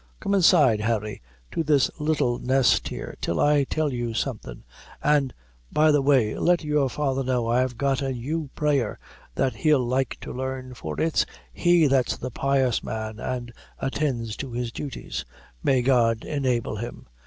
"Come inside, Harry, to this little nest here, till I tell you something; an', by the way, let your father know I've got a new prayer that he'll like to learn, for it's he that's the pious man, an' attinds to his duties may God enable him!